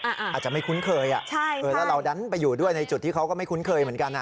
อาจจะไม่คุ้นเคยอ่ะใช่เออแล้วเราดันไปอยู่ด้วยในจุดที่เขาก็ไม่คุ้นเคยเหมือนกันอ่ะ